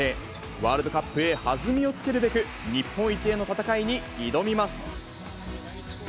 ワールドカップへ弾みをつけるべく、日本一への戦いに挑みます。